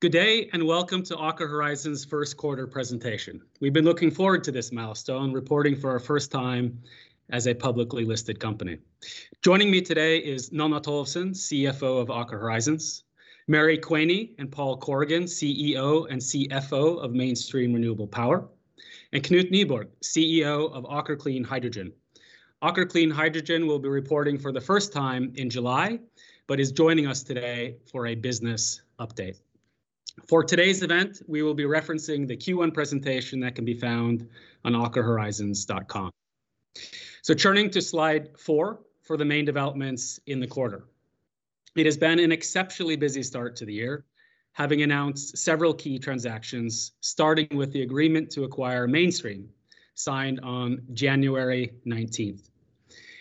Good day, and welcome to Aker Horizons' First Quarter Presentation. We've been looking forward to this milestone, reporting for our first time as a publicly listed company. Joining me today are Nanna Tollefsen, CFO of Aker Horizons, Mary Quaney and Paul Corrigan, CEO and CFO of Mainstream Renewable Power, and Knut Nyborg, CEO of Aker Clean Hydrogen. Aker Clean Hydrogen will be reporting for the first time in July but is joining us today for a business update. For today's event, we will be referencing the Q1 presentation that can be found on akerhorizons.com. Turning to slide four for the main developments in the quarter. It has been an exceptionally busy start to the year, having announced several key transactions, starting with the agreement to acquire Mainstream, signed on January 19th.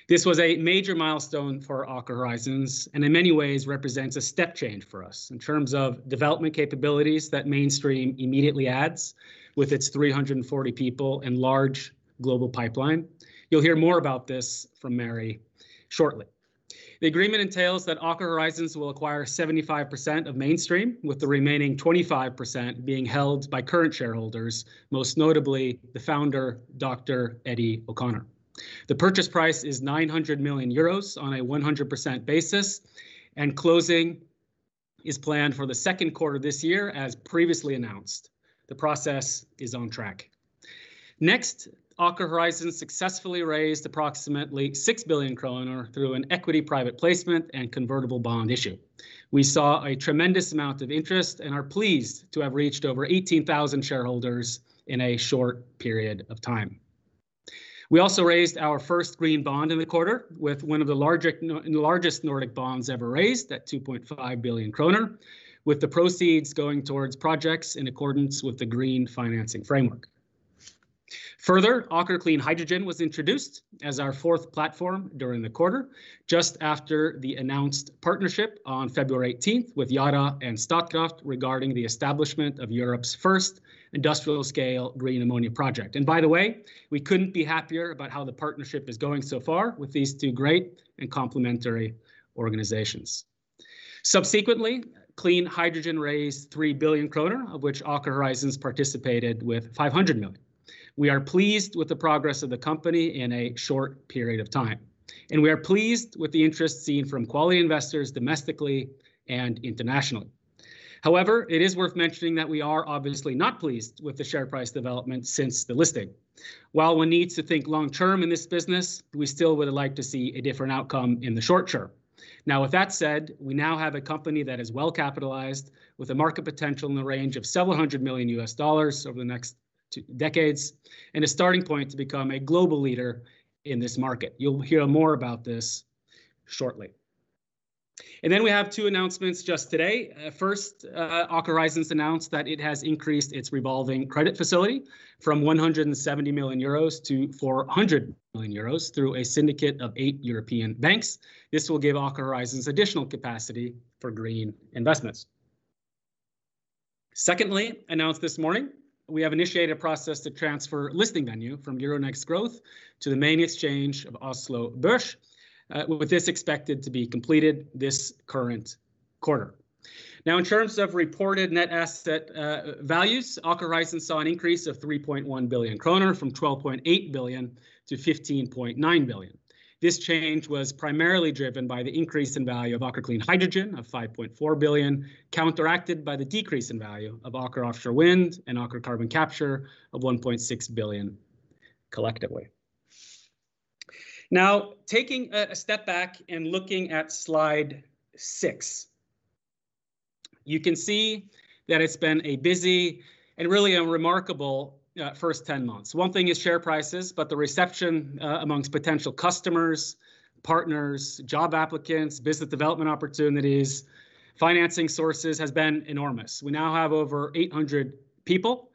This was a major milestone for Aker Horizons and in many ways represents a step change for us in terms of development capabilities that Mainstream immediately adds with its 340 people and large global pipeline. You'll hear more about this from Mary shortly. The agreement entails that Aker Horizons will acquire 75% of Mainstream, with the remaining 25% being held by current shareholders, most notably the founder, Dr. Eddie O'Connor. The purchase price is 900 million euros on a 100% basis, and closing is planned for the second quarter of this year, as previously announced. The process is on track. Aker Horizons successfully raised approximately 6 billion kroner through an equity private placement and convertible bond issue. We saw a tremendous amount of interest and are pleased to have reached over 18,000 shareholders in a short period of time. We also raised our first green bond in the quarter with one of the largest Nordic bonds ever raised, the 2.5 billion kroner, with the proceeds going towards projects in accordance with the green financing framework. Aker Clean Hydrogen was introduced as our fourth platform during the quarter, just after the announced partnership on February 18 with Yara and Statkraft regarding the establishment of Europe's first industrial-scale green ammonia project. We couldn't be happier about how the partnership is going so far with these two great and complementary organizations. Subsequently, Clean Hydrogen raised 3 billion kroner, of which Aker Horizons participated in with 500 million. We are pleased with the progress of the company in a short period of time, and we are pleased with the interest seen from quality investors domestically and internationally. It is worth mentioning that we are obviously not pleased with the share price development since the listing. While one needs to think long-term in this business, we still would like to see a different outcome in the short term. With that said, we now have a company that is well capitalized with a market potential in the range of several hundred million dollars over the next two decades and a starting point to become a global leader in this market. You'll hear more about this shortly. We have two announcements just today. First, Aker Horizons announced that it has increased its revolving credit facility from 170 million-400 million euros through a syndicate of eight European banks. This will give Aker Horizons additional capacity for green investments. Announced this morning, we have initiated a process to transfer the listing venue from Euronext Growth to the main exchange of Oslo Børs, with this expected to be completed this current quarter. In terms of reported net asset values, Aker Horizons saw an increase of 3.1 billion kroner from 12.8 billion to 15.9 billion. This change was primarily driven by the increase in value of Aker Clean Hydrogen of 5.4 billion, counteracted by the decrease in value of Aker Offshore Wind and Aker Carbon Capture of 1.6 billion collectively. Taking a step back and looking at slide six, you can see that it's been a busy and really a remarkable first 10 months. One thing is share prices, but the reception amongst potential customers, partners, job applicants, business development opportunities, and financing sources has been enormous. We now have over 800 people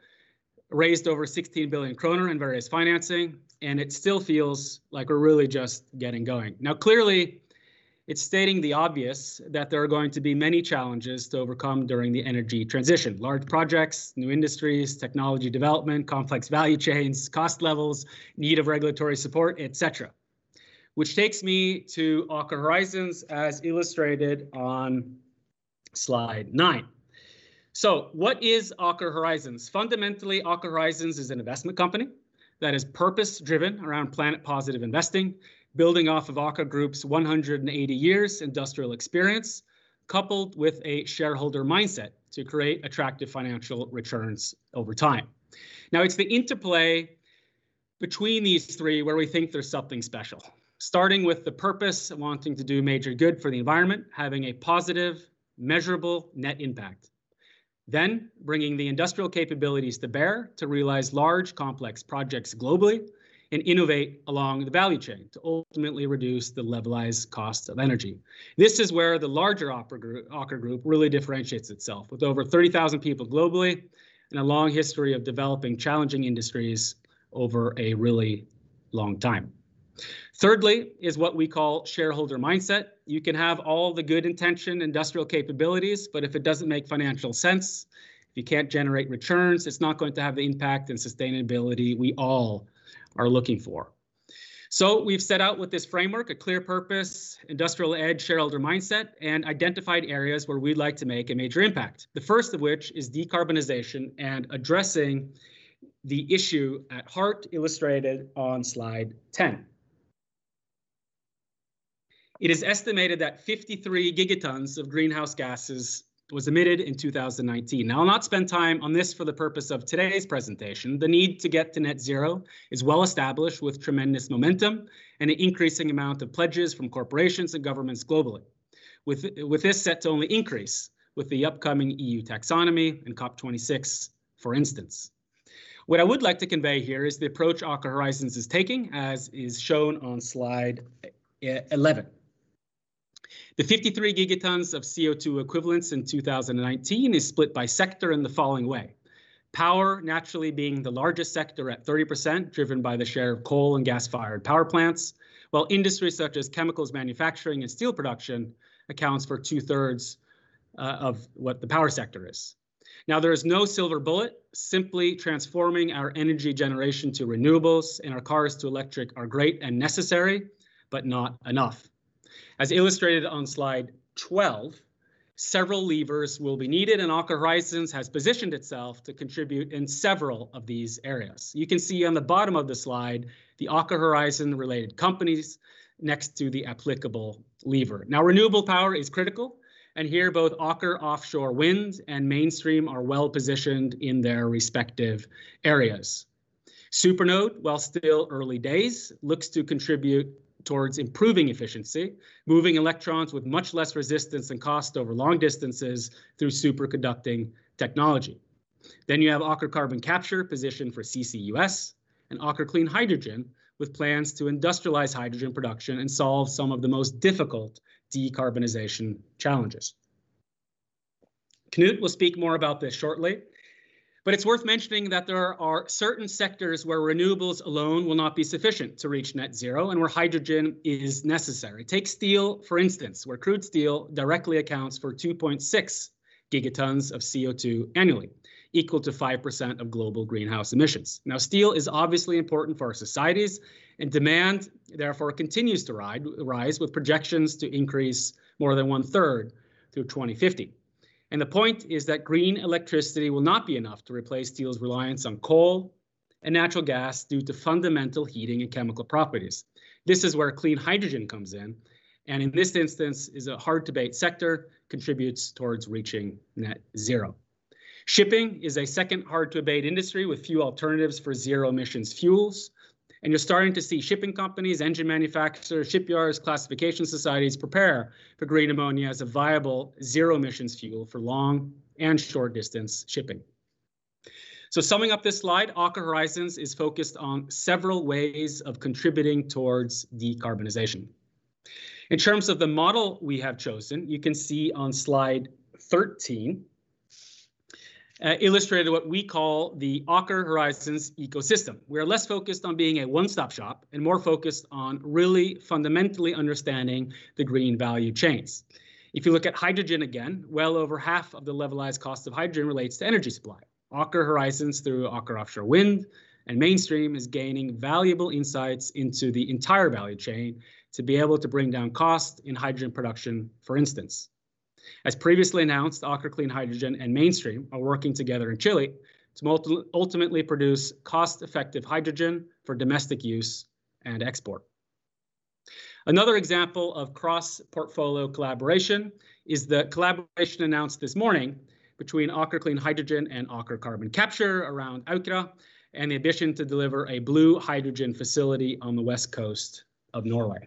and raised over 16 billion kroner in various financing, and it still feels like we're really just getting going. Clearly, it's stating the obvious that there are going to be many challenges to overcome during the energy transition. Large projects, new industries, technology development, complex value chains, cost levels, need of regulatory support, et cetera. It takes me to Aker Horizons, as illustrated on slide nine. What is Aker Horizons? Fundamentally, Aker Horizons is an investment company that is purpose-driven around planet-positive investing, building off of Aker Group's 180 years of industrial experience, coupled with a shareholder mindset to create attractive financial returns over time. It's the interplay between these three where we think there's something special. Starting with the purpose and wanting to do major good for the environment, having a positive, measurable net impact. Bringing the industrial capabilities to bear to realize large, complex projects globally and innovate along the value chain to ultimately reduce the levelized cost of energy. This is where the larger Aker Group really differentiates itself with over 30,000 people globally and a long history of developing challenging industries over a really long time. Third is what we call the shareholder mindset. You can have all the good-intentioned industrial capabilities, but if it doesn't make financial sense, if you can't generate returns, it's not going to have the impact and sustainability we all are looking for. We've set out with this framework, a clear purpose, industrial edge, shareholder mindset, and identified areas where we'd like to make a major impact. The first of which is decarbonization and addressing the issue at heart, illustrated on slide 10. It is estimated that 53Gt of greenhouse gases were emitted in 2019. I'll not spend time on this for the purpose of today's presentation. The need to get to net zero is well established, with tremendous momentum and an increasing amount of pledges from corporations and governments globally. With this set to only increase with the upcoming EU taxonomy and COP26, for instance. What I would like to convey here is the approach Aker Horizons is taking, as is shown on slide 11. The 53Gt of CO₂ equivalents in 2019 are split by sector in the following way, power naturally being the largest sector at 30%, driven by the share of coal and gas-fired power plants, while industries such as chemical manufacturing and steel production account for two-thirds of what the power sector is. There is no silver bullet. Simply transforming our energy generation to renewables and our cars to electric is great and necessary, but not enough. As illustrated on Slide 12, several levers will be needed, and Aker Horizons has positioned itself to contribute in several of these areas. You can see on the bottom of the slide the Aker Horizons-related companies next to the applicable lever. Now, renewable power is critical, and here both Aker Offshore Wind and Mainstream are well-positioned in their respective areas. SuperNode, while still in early days, looks to contribute towards improving efficiency, moving electrons with much less resistance and cost over long distances through superconducting technology. You have Aker Carbon Capture positioned for CCUS, and Aker Clean Hydrogen, with plans to industrialize hydrogen production and solve some of the most difficult decarbonization challenges. Knut will speak more about this shortly, but it's worth mentioning that there are certain sectors where renewables alone will not be sufficient to reach net zero and where hydrogen is necessary. Take steel, for instance, where crude steel directly accounts for 2.6Gt of CO₂ annually, equal to 5% of global greenhouse emissions. Steel is obviously important for our societies, and demand, therefore, continues to rise, with projections to increase more than one-third through 2050. The point is that green electricity will not be enough to replace steel's reliance on coal and natural gas due to fundamental heating and chemical properties. This is where clean hydrogen comes in and, in this instance, a hard-to-abate sector, contributes towards reaching net zero. Shipping is a second hard-to-abate industry with few alternatives for zero-emissions fuels, and you're starting to see shipping companies, engine manufacturers, shipyards, and classification societies prepare for green ammonia as a viable zero-emissions fuel for long- and short-distance shipping. Summing up this slide, Aker Horizons is focused on several ways of contributing towards decarbonization. In terms of the model we have chosen, you can see on Slide 13, illustrated what we call the Aker Horizons ecosystem. We are less focused on being a one-stop shop and more focused on really fundamentally understanding the green value chains. If you look at hydrogen again, well over half of the levelized cost of hydrogen relates to energy supply. Aker Horizons, through Aker Offshore Wind and Mainstream, is gaining valuable insights into the entire value chain to be able to bring down cost in hydrogen production, for instance. As previously announced, Aker Clean Hydrogen and Mainstream are working together in Chile to ultimately produce cost-effective hydrogen for domestic use and export. Another example of cross-portfolio collaboration is the collaboration announced this morning between Aker Clean Hydrogen and Aker Carbon Capture around Aukra, an addition to deliver a blue hydrogen facility on the west coast of Norway.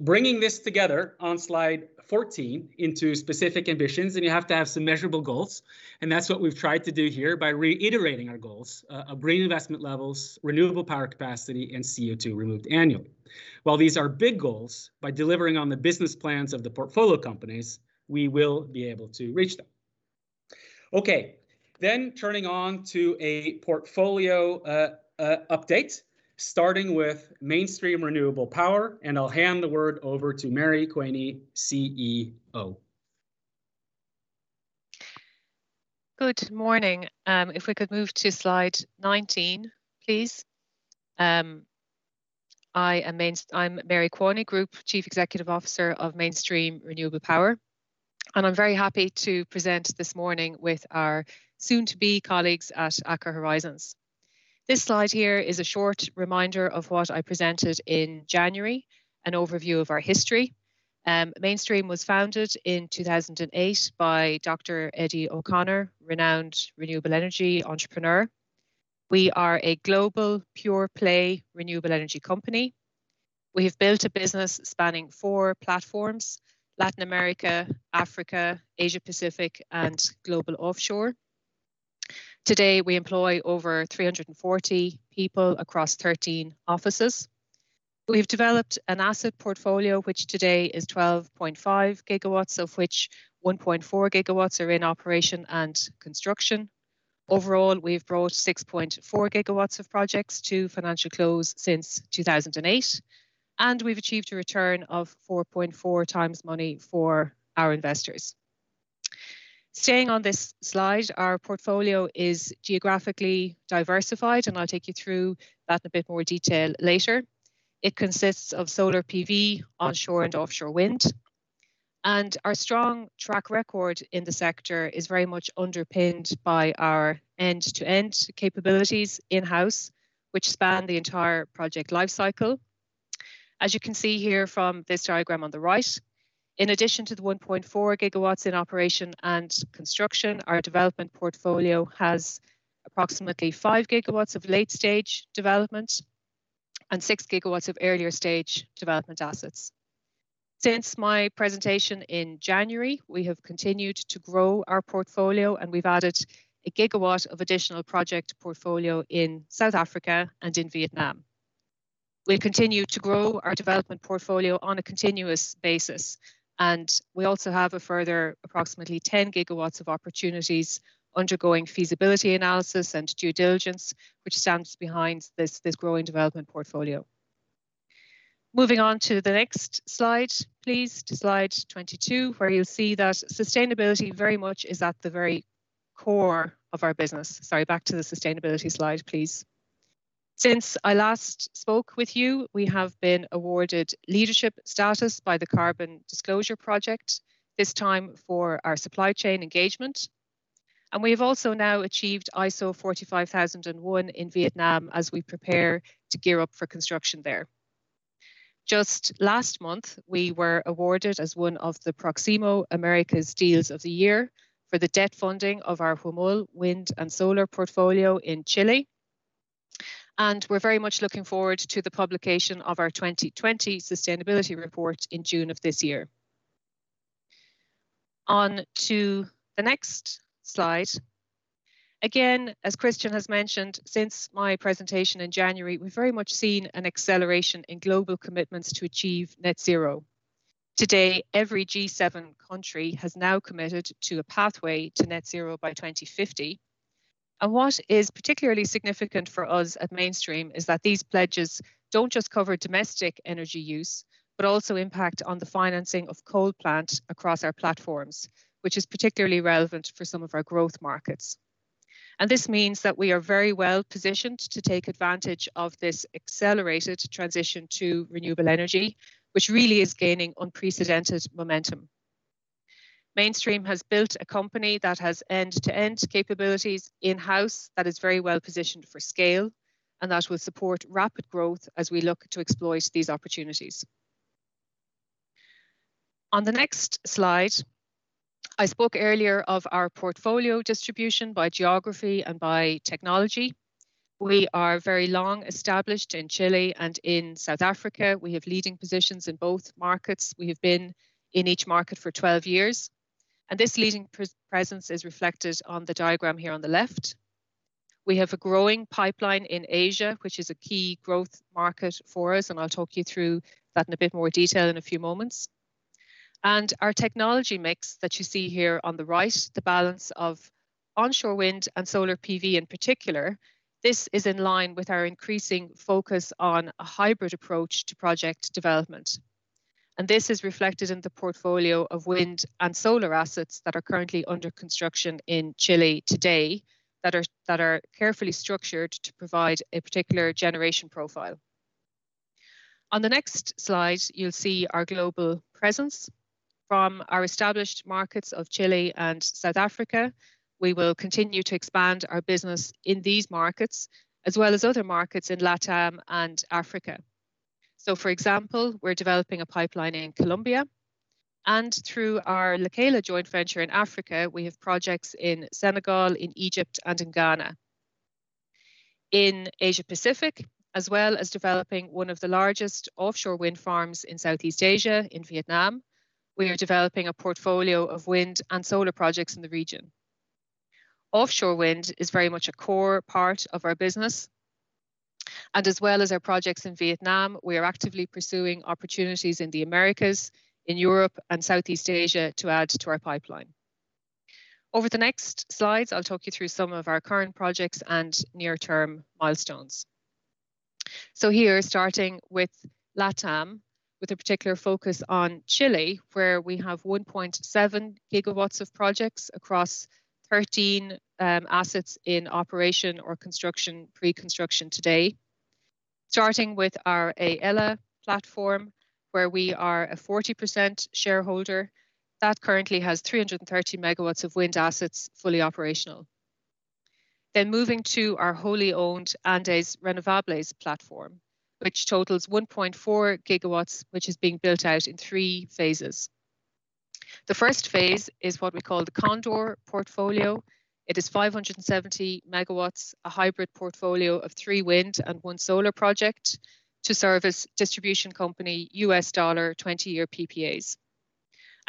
Bringing this together on Slide 14 into specific ambitions, you have to have some measurable goals, and that's what we've tried to do here by reiterating our goals of green investment levels, renewable power capacity, and CO₂ removed annually. While these are big goals, by delivering on the business plans of the portfolio companies, we will be able to reach them. Okay, turning on to a portfolio update, starting with Mainstream Renewable Power, and I'll hand the word over to Mary Quaney, CEO. Good morning. If we could move to slide 19, please. I'm Mary Quaney, Group Chief Executive Officer of Mainstream Renewable Power, and I'm very happy to present this morning with our soon-to-be colleagues at Aker Horizons. This slide here is a short reminder of what I presented in January, an overview of our history. Mainstream was founded in 2008 by Dr. Eddie O'Connor, renowned renewable energy entrepreneur. We are a global pure-play renewable energy company. We have built a business spanning four platforms: Latin America, Africa, Asia Pacific, and Global Offshore. Today, we employ over 340 people across 13 offices. We've developed an asset portfolio, which today is 12.5GW, of which 1.4GW are in operation and construction. Overall, we've brought 6.4GW of projects to financial close since 2008, and we've achieved a return of 4.4x the money for our investors. Staying on this slide, our portfolio is geographically diversified. I'll take you through that in a bit more detail later. It consists of solar PV, onshore and offshore wind. Our strong track record in the sector is very much underpinned by our end-to-end capabilities in-house, which span the entire project lifecycle. As you can see here from this diagram on the right, in addition to the 1.4GW in operation and construction, our development portfolio has approximately 5GW of late-stage development and 6GW of earlier-stage development assets. Since my presentation in January, we have continued to grow our portfolio, and we've added a gigawatt of additional project portfolio in South Africa and Vietnam. We'll continue to grow our development portfolio on a continuous basis, and we also have a further approximately 10GW of opportunities undergoing feasibility analysis and due diligence, which stands behind this growing development portfolio. Moving on to the next slide, please, to slide 22, where you'll see that sustainability very much is at the very core of our business. Sorry, back to the sustainability slide, please. Since I last spoke with you, we have been awarded leadership status by the Carbon Disclosure Project, this time for our supply chain engagement, and we've also now achieved ISO 45001 in Vietnam as we prepare to gear up for construction there. Just last month, we were awarded as one of the Proximo Americas Deals of the Year for the debt funding of our Huemul wind and solar portfolio in Chile. We're very much looking forward to the publication of our 2020 sustainability report in June of this year. On to the next slide. As Kristian has mentioned, since my presentation in January, we've very much seen an acceleration in global commitments to achieve net zero. Today, every G7 country has now committed to a pathway to net zero by 2050. What is particularly significant for us at Mainstream is that these pledges don't just cover domestic energy use but also impact the financing of coal plants across our platforms, which is particularly relevant for some of our growth markets. This means that we are very well-positioned to take advantage of this accelerated transition to renewable energy, which really is gaining unprecedented momentum. Mainstream has built a company that has end-to-end capabilities in-house, that is very well-positioned for scale, and that will support rapid growth as we look to exploit these opportunities. On the next slide, I spoke earlier of our portfolio distribution by geography and by technology. We are very long established in Chile and in South Africa. We have leading positions in both markets. We have been in each market for 12 years, this leading presence is reflected on the diagram here on the left. We have a growing pipeline in Asia, which is a key growth market for us. I'll talk you through that in a bit more detail in a few moments. Our technology mix that you see here on the right, the balance of onshore wind and solar PV in particular, is in line with our increasing focus on a hybrid approach to project development. This is reflected in the portfolio of wind and solar assets that are currently under construction in Chile today, which are carefully structured to provide a particular generation profile. On the next slide, you'll see our global presence from our established markets of Chile and South Africa. We will continue to expand our business in these markets, as well as other markets in LATAM and Africa. For example, we're developing a pipeline in Colombia, and through our Lekela joint venture in Africa, we have projects in Senegal, in Egypt, and in Ghana. In Asia-Pacific, as well as developing one of the largest offshore wind farms in Southeast Asia in Vietnam, we are developing a portfolio of wind and solar projects in the region. Offshore wind is very much a core part of our business. As well as our projects in Vietnam, we are actively pursuing opportunities in the Americas, in Europe, and in Southeast Asia to add to our pipeline. Over the next slides, I'll talk you through some of our current projects and near-term milestones. Here, starting with LATAM, with a particular focus on Chile, where we have 1.7GW of projects across 13 assets in operation or construction pre-construction today. Starting with our Aela platform, where we are a 40% shareholder. That currently has 330MW of wind assets, fully operational. Moving to our wholly owned Andes Renovables platform, which totals 1.4GW, which is being built out in three phases. The first phase is what we call the Cóndor portfolio. It is 570MW, a hybrid portfolio of three wind and one solar project to service a distribution company's 20-year U.S. dollar PPAs.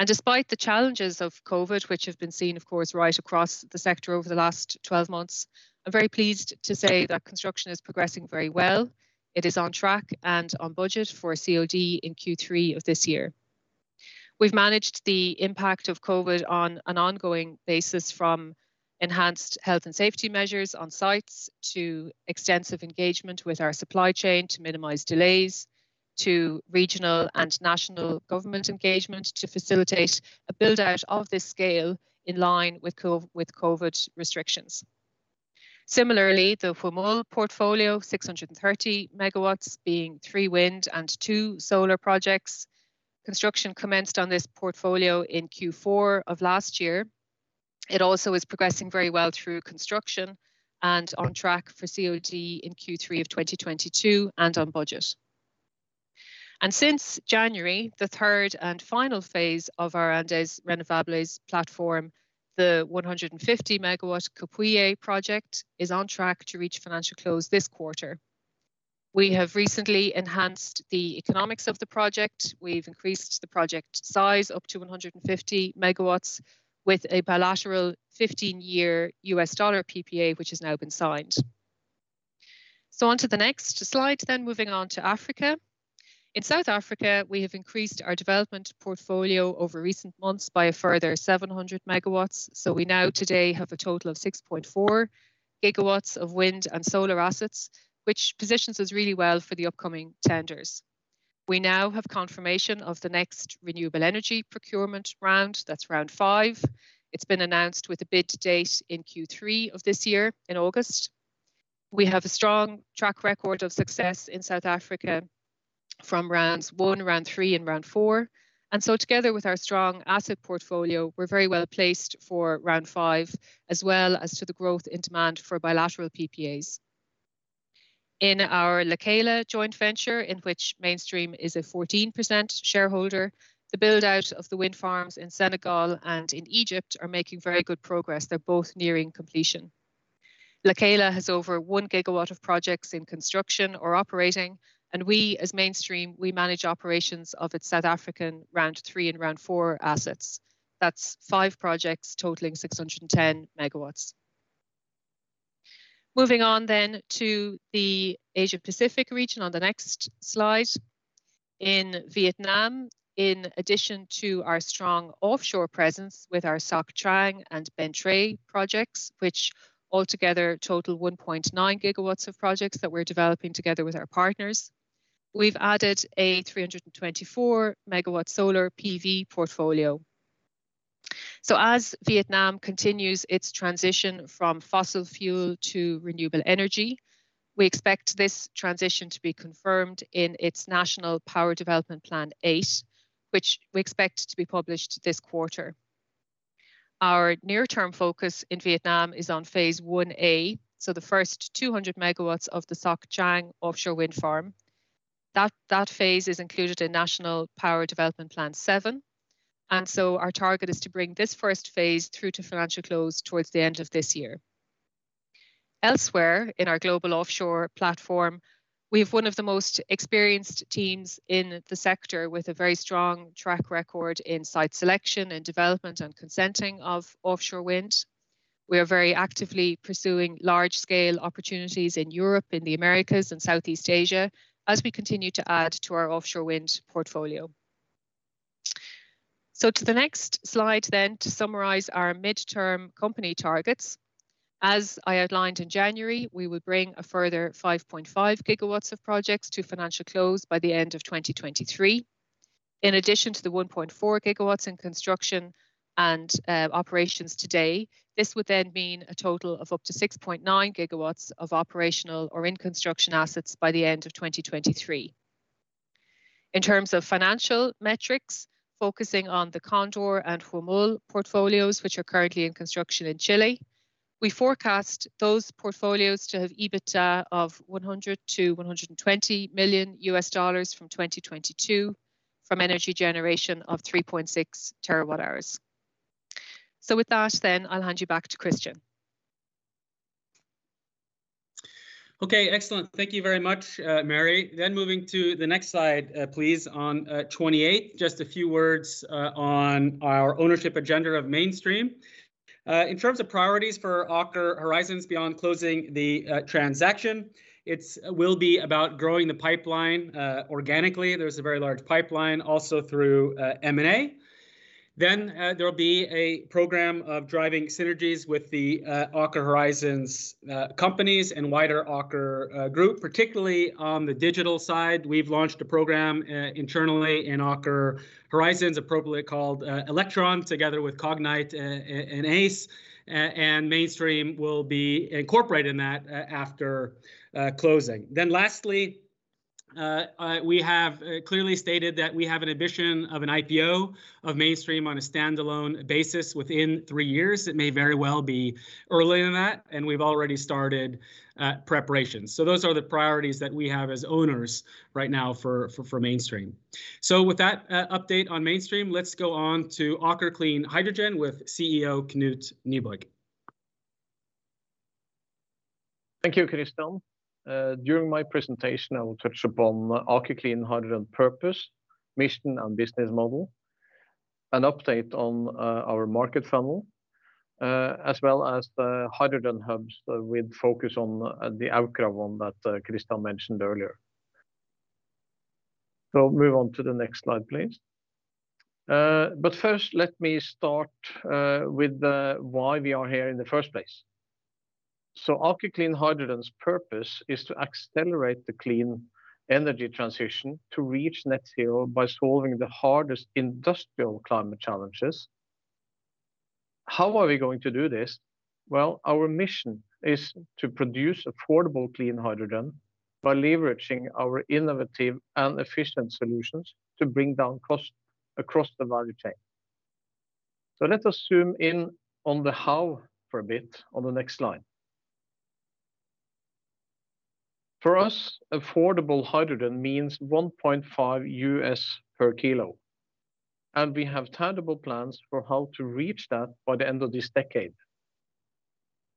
Despite the challenges of COVID, which have been seen, of course, right across the sector over the last 12 months, I'm very pleased to say that construction is progressing very well. It is on track and on budget for COD in Q3 of this year. We've managed the impact of COVID on an ongoing basis, from enhanced health and safety measures on sites to extensive engagement with our supply chain to minimize delays to regional and national government engagement to facilitate a build-out of this scale in line with COVID restrictions. Similarly, the Huemul portfolio, 630MW, consists of three wind and two solar projects. Construction commenced on this portfolio in Q4 of last year. It also is progressing very well through construction and on track for COD in Q3 of 2022 and on budget. Since January, the third and final phase of our Andes Renovables platform, the 150MW Capella project, is on track to reach financial close this quarter. We have recently enhanced the economics of the project. We've increased the project size up to 150MW with a bilateral 15-year U.S. dollar PPA, which has now been signed. On to the next slide, moving on to Africa. In South Africa, we have increased our development portfolio over recent months by a further 700MW. We now today have a total of 6.4GW of wind and solar assets, which positions us really well for the upcoming tenders. We now have confirmation of the next renewable energy procurement round. That's round five. It's been announced with a bid date in Q3 of this year, in August. We have a strong track record of success in South Africa from round one, round three, and round four. Together with our strong asset portfolio, we're very well-placed for round five, as well as for the growth in demand for bilateral PPAs. In our Lekela joint venture, in which Mainstream is a 14% shareholder, the build-out of the wind farms in Senegal and in Egypt is making very good progress. They're both nearing completion. Lekela has over 1GW of projects under construction or operating. We, as Mainstream, manage operations of its South African round three and round four assets. That's five projects totaling 610MW. Moving on to the Asia-Pacific region on the next slide. In Vietnam, in addition to our strong offshore presence with our Soc Trang and Bến Tre projects, which altogether total 1.9GW of projects that we're developing together with our partners, we've added a 324MW solar PV portfolio. As Vietnam continues its transition from fossil fuel to renewable energy, we expect this transition to be confirmed in its National Power Development Plan 8, which we expect to be published this quarter. Our near-term focus in Vietnam is on phase 1A, so the first 200MW of the Soc Trang offshore wind farm. That phase is included in National Power Development Plan 7, our target is to bring this first phase through to financial close towards the end of this year. Elsewhere in our global offshore platform, we have one of the most experienced teams in the sector, with a very strong track record in site selection and development and consenting of offshore wind. We are very actively pursuing large-scale opportunities in Europe, in the Americas, and in Southeast Asia as we continue to add to our offshore wind portfolio. To the next slide, then, to summarize our midterm company targets. As I outlined in January, we will bring a further 5.5GW of projects to financial close by the end of 2023. In addition to the 1.4GW in construction and operations today, this would then mean a total of up to 6.9GW of operational or in-construction assets by the end of 2023. In terms of financial metrics, focusing on the Cóndor and Huemul portfolios, which are currently under construction in Chile, we forecast those portfolios to have an EBITDA of NOK 100 million-NOK 120 million from 2022, from energy generation of 3.6TWh. With that, then, I'll hand you back to Kristian. Okay, excellent. Thank you very much, Mary. Moving to the next slide, please, on 28, just a few words on our ownership agenda of Mainstream. In terms of priorities for Aker Horizons beyond closing the transaction, it will be about growing the pipeline organically, there's a very large pipeline also through M&A. There will be a program of driving synergies with the Aker Horizons companies and wider Aker Group, particularly on the digital side. We've launched a program internally in Aker Horizons, appropriately called Electron, together with Cognite and Aize, and Mainstream will be incorporated in that after closing. Lastly, we have clearly stated that we have an ambition of an IPO of Mainstream on a standalone basis within three years. It may very well be earlier than that, we've already started preparations. Those are the priorities that we have as owners right now for Mainstream. With that update on Mainstream, let's go on to Aker Clean Hydrogen with CEO Knut Nyborg. Thank you, Kristian. During my presentation, I will touch upon Aker Clean Hydrogen's purpose, mission, and business model and an update on our market funnel, as well as the hydrogen hubs, with a focus on the Aukra one that Kristian mentioned earlier. Move on to the next slide, please. First, let me start with why we are here in the first place. Aker Clean Hydrogen's purpose is to accelerate the clean energy transition to reach net zero by solving the hardest industrial climate challenges. How are we going to do this? Well, our mission is to produce affordable clean hydrogen by leveraging our innovative and efficient solutions to bring down cost across the value chain. Let us zoom in on the how for a bit on the next slide. For us, affordable hydrogen means 1.5 per kilo, and we have tangible plans for how to reach that by the end of this decade.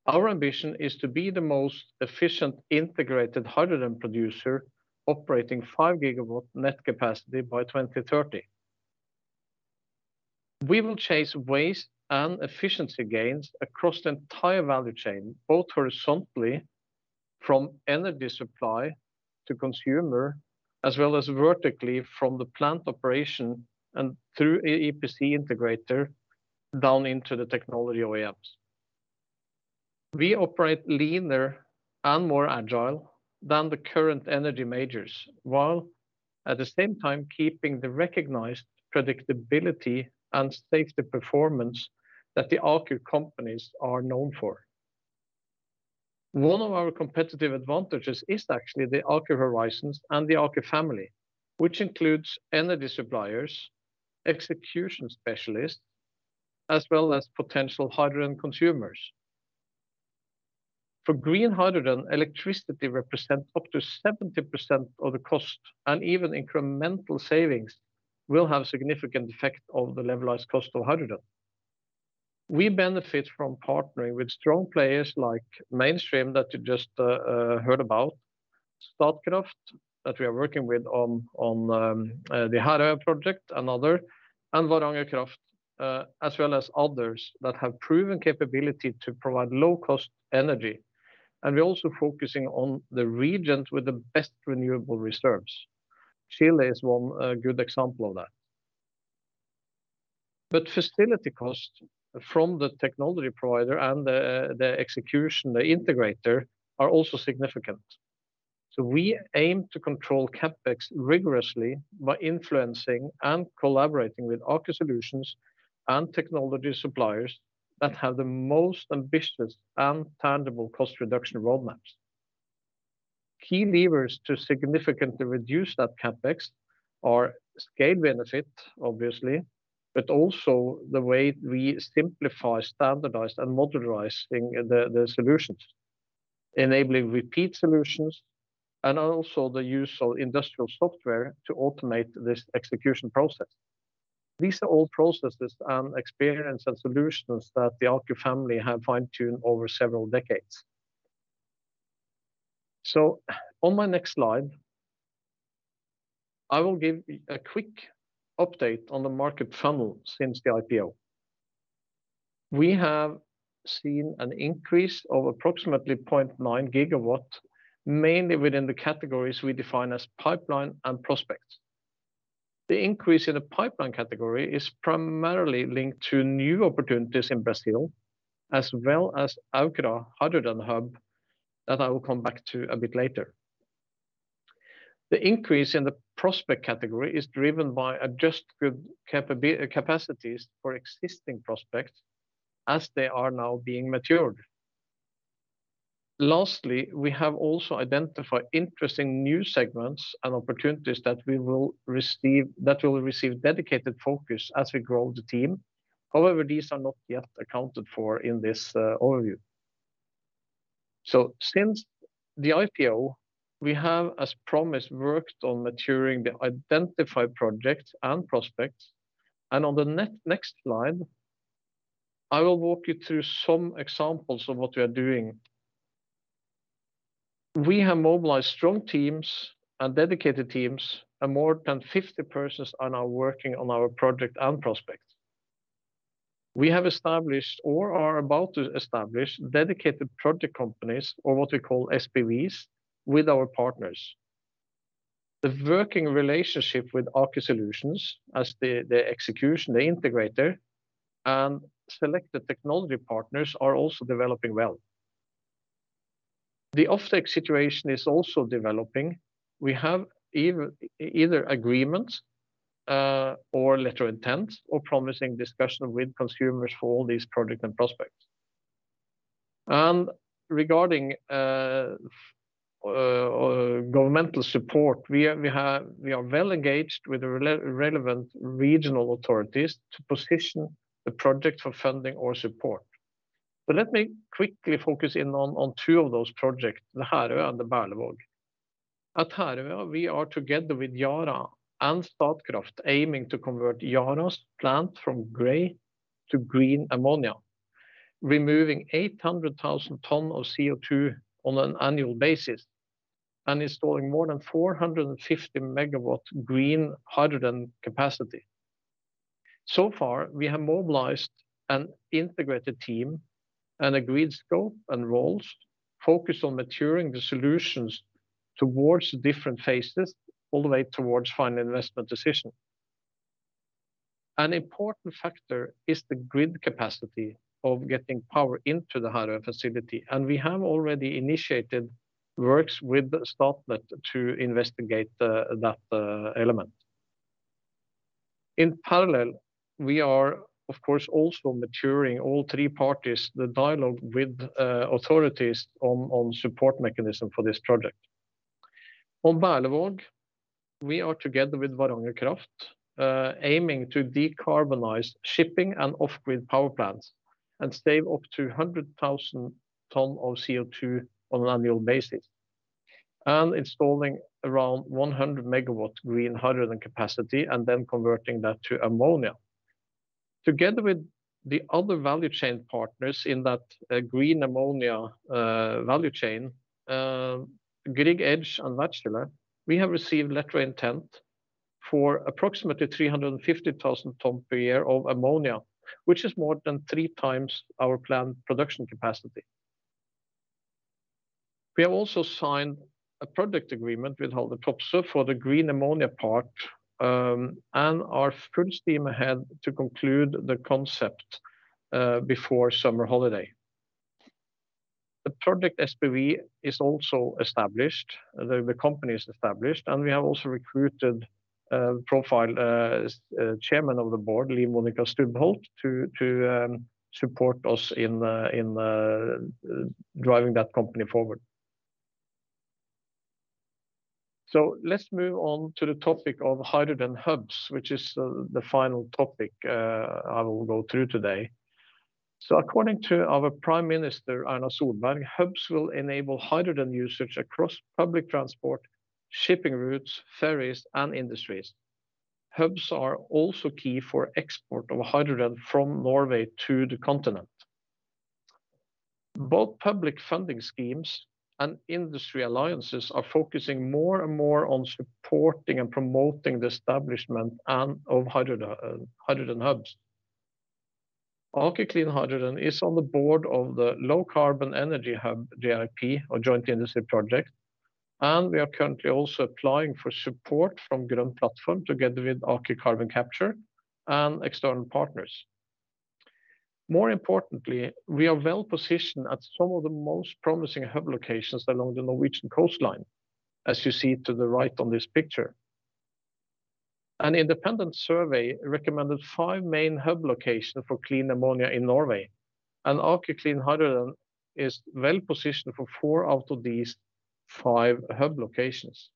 Our ambition is to be the most efficient, integrated hydrogen producer operating 5GW net capacity by 2030. We will chase waste and efficiency gains across the entire value chain, both horizontally from energy supply to consumer as well as vertically from the plant operation and through the EPC integrator down into the technology OEMs. We operate leaner and more agilely than the current energy majors, while at the same time keeping the recognized predictability and stated performance that the Aker companies are known for. One of our competitive advantages is actually Aker Horizons and the Aker family, which includes energy suppliers and execution specialists as well as potential hydrogen consumers. For green hydrogen, electricity represents up to 70% of the cost, and even incremental savings will have a significant effect on the levelized cost of hydrogen. We benefit from partnering with strong players like Mainstream, that you just heard about, Statkraft, that we are working with on the Herøya project and others; and Varanger Kraft, as well as others that have proven capability to provide low-cost energy. We're also focusing on the regions with the best renewable reserves. Chile is one good example of that. Facility costs from the technology provider and the execution from the integrator are also significant. We aim to control CapEx rigorously by influencing and collaborating with Aker Solutions and technology suppliers that have the most ambitious and tangible cost reduction roadmaps. Key levers to significantly reduce that CapEx are scale benefits, obviously, but also the way we simplify, standardize, and modularize the solutions, enabling repeat solutions, and also the use of industrial software to automate this execution process. These are all processes and experiences and solutions that the Aker family have fine-tuned over several decades. On my next slide, I will give a quick update on the market funnel since the IPO. We have seen an increase of approximately 0.9GW, mainly within the categories we define as pipeline and prospects. The increase in the pipeline category is primarily linked to new opportunities in Brazil, as well as Aukra Hydrogen Hub, that I will come back to a bit later. The increase in the prospect category is driven by adjusted capacities for existing prospects as they are now maturing. Lastly, we have also identified interesting new segments and opportunities that will receive dedicated focus as we grow the team. However, these are not yet accounted for in this overview. Since the IPO, we have, as promised, worked on maturing the identified projects and prospects. On the next slide, I will walk you through some examples of what we are doing. We have mobilized strong teams and dedicated teams, and more than 50 persons are now working on our project and prospects. We have established or are about to establish dedicated project companies, or what we call SPVs, with our partners. The working relationship with Aker Solutions as the executor, the integrator, and selected technology partners is also developing well. The offtake situation is also developing. We have either agreements or letters of intent or promising discussions with consumers for all these projects and prospects. Regarding governmental support, we are well engaged with the relevant regional authorities to position the project for funding or support. Let me quickly focus in on two of those projects, the Herøya and the Berlevåg. At Herøya, we are, together with Yara and Statkraft, aiming to convert Yara's plant from gray to green ammonia, removing 800,000 tons of CO₂ on an annual basis and installing more than 450MW of green hydrogen capacity. Far, we have mobilized an integrated team and agreed on scope and roles focused on maturing the solutions towards the different phases all the way towards the final investment decision. An important factor is the grid capacity of getting power into the hydrogen facility, and we have already initiated work with Statnett to investigate that element. In parallel, we are, of course, also maturing all three parties, dialogue with authorities on support mechanisms for this project. In Berlevåg, we are together with Varanger Kraft, aiming to decarbonize shipping and off-grid power plants and save up to 100,000 tons of CO₂ on an annual basis and installing around 100MW of green hydrogen capacity and then converting that to ammonia. Together with the other value chain partners in that green ammonia value chain, Grieg Edge and Vectura, we have received a letter of intent for approximately 350,000 tons per year of ammonia, which is more than three times our planned production capacity. We have also signed a project agreement with Haldor Topsoe for the green ammonia part and are full steam ahead to conclude the concept before the summer holiday. The project SPV is also established. The company is established, and we have also recruited a profile chairman of the board, Liv Monica Stubholt, to support us in driving that company forward. Let's move on to the topic of hydrogen hubs, which is the final topic I will go through today. According to our Prime Minister, Erna Solberg, hubs will enable hydrogen usage across public transport, shipping routes, ferries, and industries. Hubs are also key for the export of hydrogen from Norway to the continent. Both public funding schemes and industry alliances are focusing more and more on supporting and promoting the establishment of hydrogen hubs. Aker Clean Hydrogen is on the board of the Low Carbon Energy Hub JIP, or Joint Industry Project, and we are currently also applying for support from Green Platform together with Aker Carbon Capture and external partners. More importantly, we are well-positioned at some of the most promising hub locations along the Norwegian coastline, as you see to the right in this picture. An independent survey recommended five main hub locations for clean ammonia in Norway, and Aker Clean Hydrogen is well positioned for four out of these five hub locations.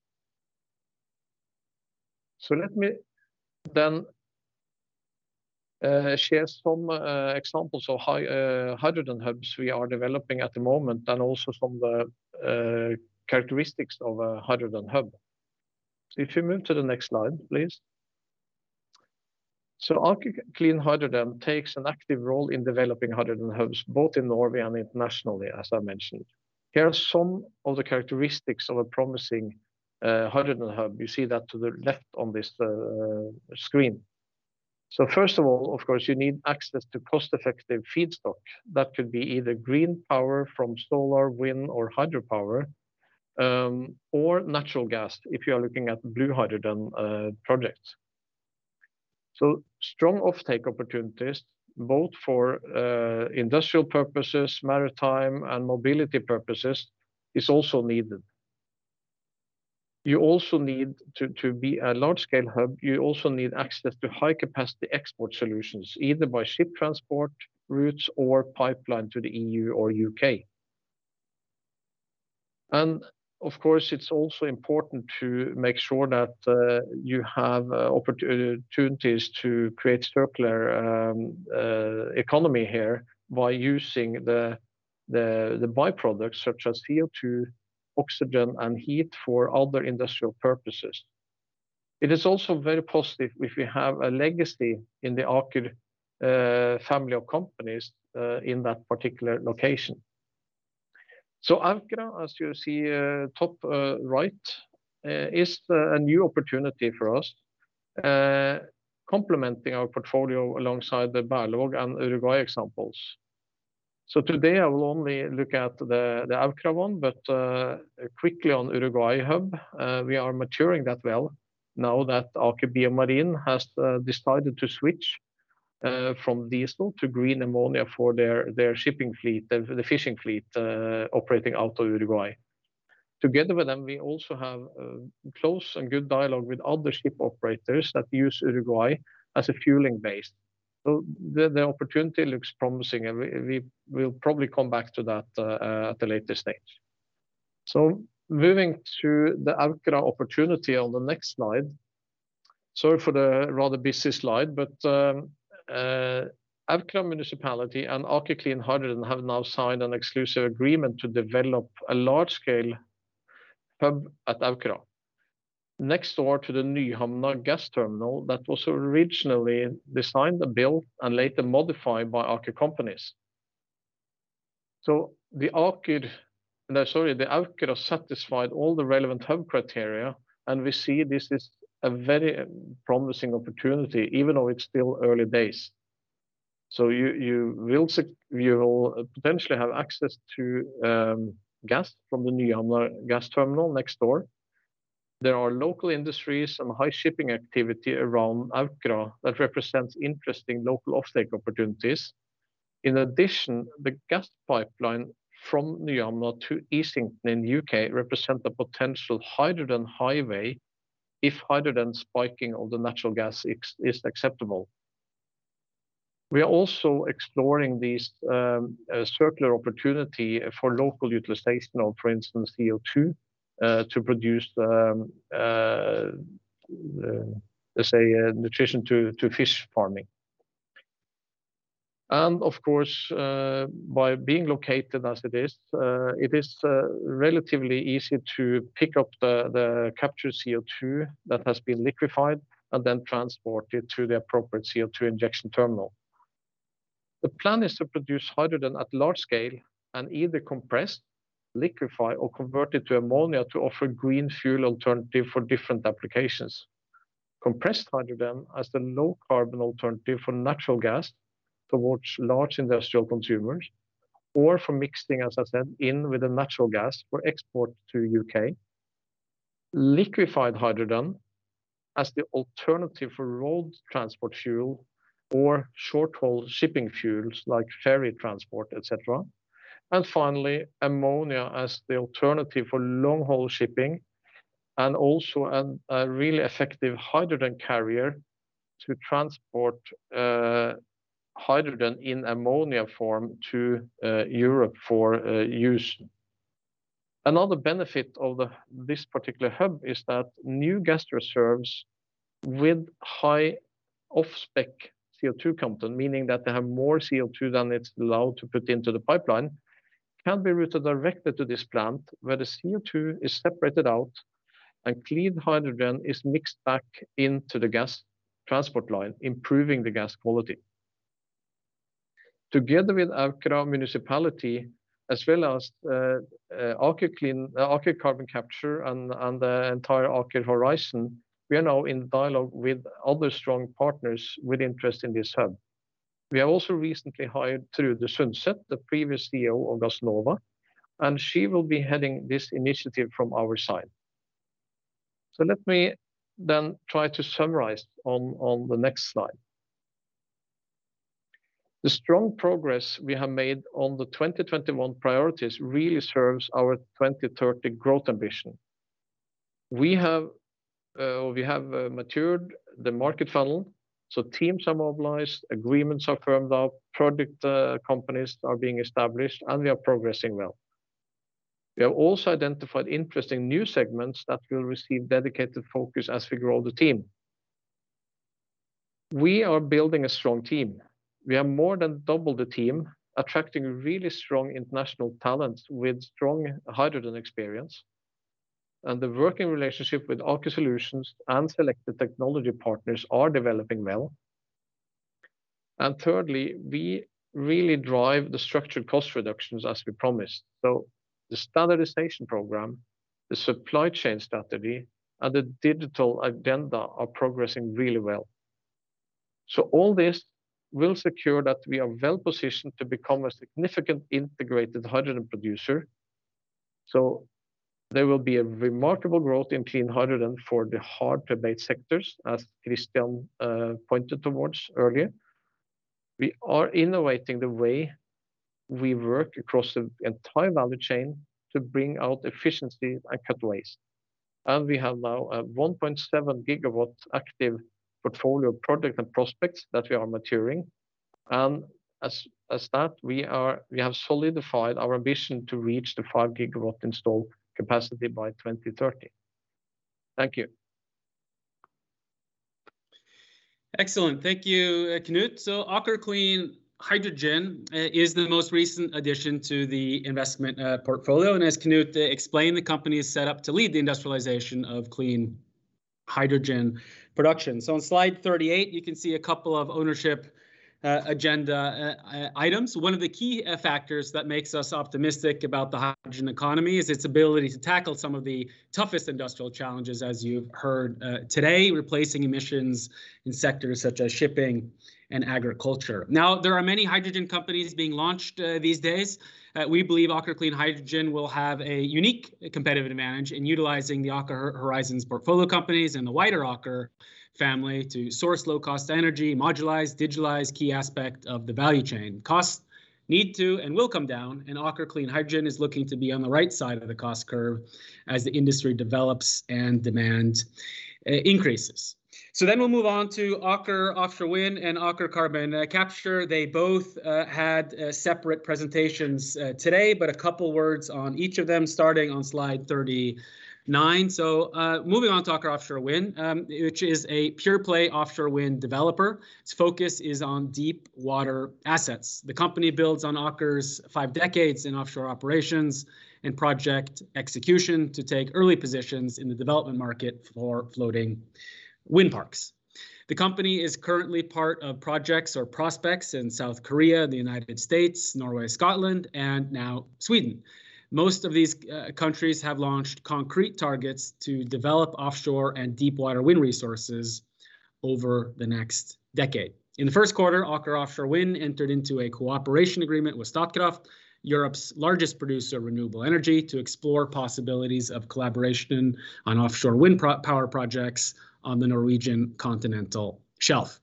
Let me then share some examples of hydrogen hubs we are developing at the moment and also some characteristics of a hydrogen hub. If you move to the next slide, please. Aker Clean Hydrogen takes an active role in developing hydrogen hubs, both in Norway and internationally, as I mentioned. Here are some of the characteristics of a promising hydrogen hub. You see that to the left on this screen. First of all, of course, you need access to cost-effective feedstock. That could be either green power from solar, wind, or hydropower, or natural gas if you are looking at blue hydrogen projects. Strong off-take opportunities, both for industrial purposes and maritime and mobility purposes, are also needed. To be a large-scale hub, you also need access to high-capacity export solutions, either by ship transport routes or pipeline to the EU or the UK. Of course, it's also important to make sure that you have opportunities to create a circular economy here by using the byproducts such as CO₂, oxygen, and heat for other industrial purposes. It is also very positive if you have a legacy in the Aker family of companies in that particular location. Aukra, as you see in the top right, is a new opportunity for us, complementing our portfolio alongside the Berlevåg and Uruguay examples. Today, I will only look at the Aukra one, but quickly on the Uruguay hub, we are maturing that well now that Aker BioMarine has decided to switch from diesel to green ammonia for their shipping fleet, the fishing fleet operating out of Uruguay. Together with them, we also have a close and good dialogue with other ship operators that use Uruguay as a fueling base. The opportunity looks promising, and we will probably come back to that at a later stage. Moving to the Aukra opportunity on the next slide. Sorry for the rather busy slide, but Aukra Municipality and Aker Clean Hydrogen have now signed an exclusive agreement to develop a large-scale hub at Aukra, next door to the Nyhamna gas terminal that was originally designed and built and later modified by Aker companies. The Aukra satisfied all the relevant hub criteria, and we see this is a very promising opportunity, even though it's still early days. You will potentially have access to gas from the Nyhamna gas terminal next door. There are local industries and high shipping activity around Aukra that represent interesting local offtake opportunities. In addition, the gas pipeline from Njord to Easington in the U.K. represents a potential hydrogen highway if hydrogen spiking of the natural gas is acceptable. We are also exploring these circular opportunities for local utilization of, for instance, CO₂ to produce, let's say, nutrition for fish farming. Of course, by being located as it is, it is relatively easy to pick up the captured CO₂ that has been liquefied and then transport it to the appropriate CO₂ injection terminal. The plan is to produce hydrogen at large scale and either compress it, liquefy it, or convert it to ammonia to offer a green fuel alternative for different applications. Compressed hydrogen as the low-carbon alternative for natural gas towards large industrial consumers or for mixing, as I said, in with the natural gas for export to U.K. Liquified hydrogen as the alternative for road transport fuel or short-haul shipping fuels like ferry transport, et cetera. Finally, ammonia is the alternative for long-haul shipping and also a really effective hydrogen carrier to transport hydrogen in ammonia form to Europe for use. Another benefit of this particular hub is that new gas reserves with high off-spec CO₂ content, meaning that they have more CO₂ than is allowed to be put into the pipeline, can be routed directly to this plant, where the CO₂ is separated out and clean hydrogen is mixed back into the gas transport line, improving the gas quality. Together with Aukra Municipality, as well as Aker Carbon Capture and the entire Aker Horizons, we are now in dialogue with other strong partners with interest in this hub. We have also recently hired Trude Sønset, the previous CEO of Gassnova, and she will be heading this initiative from our side. Let me then try to summarize on the next slide. The strong progress we have made on the 2021 priorities really serves our 2030 growth ambition. We have matured the market funnel, so teams are mobilized, agreements are firmed up, project companies are being established, and we are progressing well. We have also identified interesting new segments that will receive dedicated focus as we grow the team. We are building a strong team. We have more than doubled the team, attracting really strong international talent with strong hydrogen experience. The working relationship with Aker Solutions and selected technology partners is developing well. Thirdly, we really drive the structured cost reductions as we promised. The standardization program, the supply chain strategy, and the digital agenda are progressing really well. All this will secure that we are well-positioned to become a significant integrated hydrogen producer. There will be a remarkable growth in clean hydrogen for the hard-to-abate sectors, as Kristian pointed towards earlier. We are innovating the way we work across the entire value chain to bring out efficiency and cut waste. We have now an active 1.7GW portfolio of projects and prospects that we are maturing. As such, we have solidified our ambition to reach the 5GW installed capacity by 2030. Thank you. Excellent. Thank you, Knut. Aker Clean Hydrogen is the most recent addition to the investment portfolio. As Knut explained, the company is set up to lead the industrialization of clean hydrogen production. On slide 38, you can see a couple of ownership agenda items. One of the key factors that makes us optimistic about the hydrogen economy is its ability to tackle some of the toughest industrial challenges, as you've heard today, replacing emissions in sectors such as shipping and agriculture. Now, there are many hydrogen companies being launched these days. We believe Aker Clean Hydrogen will have a unique competitive advantage in utilizing the Aker Horizons portfolio companies and the wider Aker family to source low-cost energy and modularize and digitalize key aspects of the value chain. Costs need to and will come down. Aker Clean Hydrogen is looking to be on the right side of the cost curve as the industry develops and demand increases. We'll move on to Aker Offshore Wind and Aker Carbon Capture. They both had separate presentations today, a couple words on each of them, starting on slide 39. Moving on to Aker Offshore Wind, which is a pure-play offshore wind developer. Its focus is on deep-water assets. The company builds on Aker's five decades in offshore operations and project execution to take early positions in the development market for floating wind parks. The company is currently part of projects or prospects in South Korea, the United States, Norway, Scotland, and now Sweden. Most of these countries have launched concrete targets to develop offshore and deepwater wind resources over the next decade. In the first quarter, Aker Offshore Wind entered into a cooperation agreement with Statkraft, Europe's largest producer of renewable energy, to explore possibilities of collaboration on offshore wind power projects on the Norwegian continental shelf.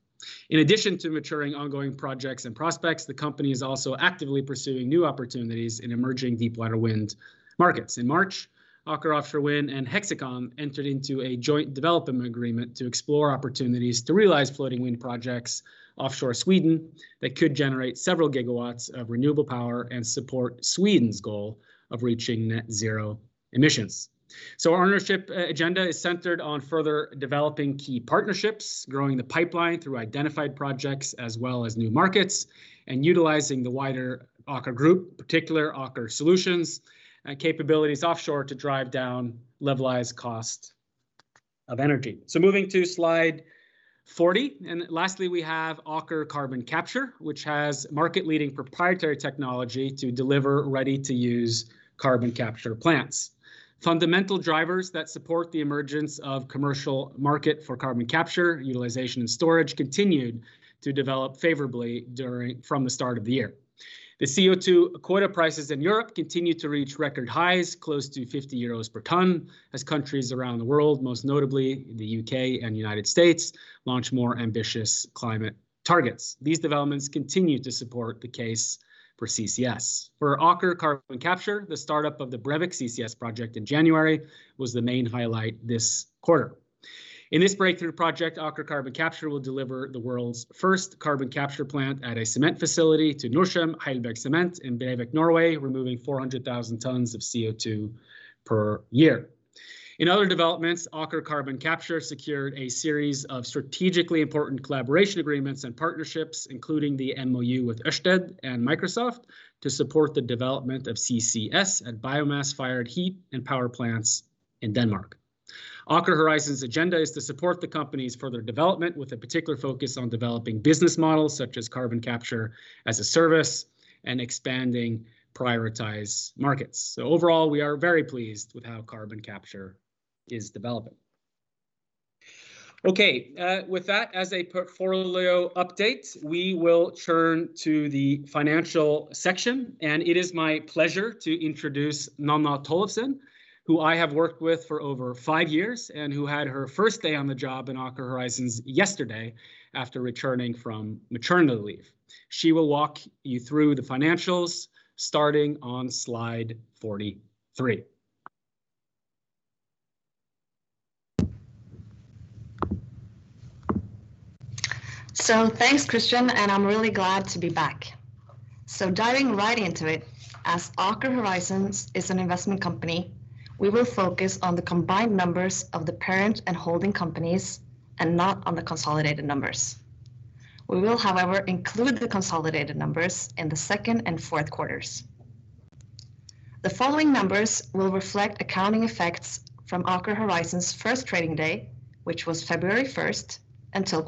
In addition to maturing ongoing projects and prospects, the company is also actively pursuing new opportunities in emerging deepwater wind markets. In March, Aker Offshore Wind and Hexicon entered into a joint development agreement to explore opportunities to realize floating wind projects offshore Sweden that could generate several gigawatts of renewable power and support Sweden's goal of reaching net zero emissions. Our ownership agenda is centered on further developing key partnerships, growing the pipeline through identified projects as well as new markets, and utilizing the wider Aker group, particularly Aker Solutions, capabilities offshore to drive down the levelized cost of energy. Moving to slide 40. Lastly, we have Aker Carbon Capture, which has market-leading proprietary technology to deliver ready-to-use carbon capture plants. Fundamental drivers that support the emergence of a commercial market for carbon capture, utilization, and storage continued to develop favorably from the start of the year. The CO₂ quota prices in Europe continued to reach record highs, close to 50 euros per ton, as countries around the world, most notably the U.K. and the United States, launch more ambitious climate targets. These developments continue to support the case for CCS. For Aker Carbon Capture, the startup of the Brevik CCS project in January was the main highlight this quarter. In this breakthrough project, Aker Carbon Capture will deliver the world's first carbon capture plant at a cement facility to Norcem Heidelberg Cement in Brevik, Norway, removing 400,000 tons of CO₂ per year. In other developments, Aker Carbon Capture secured a series of strategically important collaboration agreements and partnerships, including the MoU with Ørsted and Microsoft, to support the development of CCS at biomass-fired heat and power plants in Denmark. Aker Horizons' agenda is to support the company's further development, with a particular focus on developing business models such as carbon capture as a service and expanding prioritized markets. Overall, we are very pleased with how carbon capture is developing. With that as a portfolio update, we will turn to the financial section, and it is my pleasure to introduce Nanna Tollefsen, who I have worked with for over five years and who had her first day on the job in Aker Horizons yesterday after returning from maternity leave. She will walk you through the financials starting on slide 43. Thanks, Kristian, and I'm really glad to be back. Diving right into it, as Aker Horizons is an investment company, we will focus on the combined numbers of the parent and holding companies and not on the consolidated numbers. We will, however, include the consolidated numbers in the second and fourth quarters. The following numbers will reflect accounting effects from Aker Horizons' first trading day, which was February 1st, until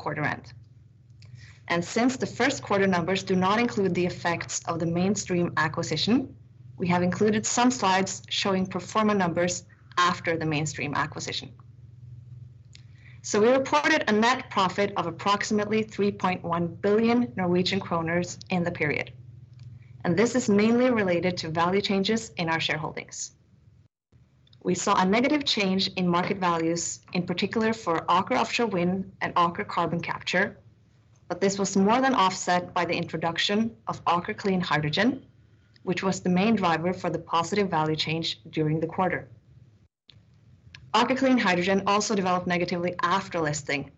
quarter-end. Since the first quarter numbers do not include the effects of the Mainstream acquisition, we have included some slides showing pro forma numbers after the Mainstream acquisition. We reported a net profit of approximately 3.1 billion Norwegian kroner in the period, and this is mainly related to value changes in our shareholdings. We saw a negative change in market values, in particular for Aker Offshore Wind and Aker Carbon Capture, but this was more than offset by the introduction of Aker Clean Hydrogen, which was the main driver for the positive value change during the quarter. Aker Clean Hydrogen also developed negatively after listing,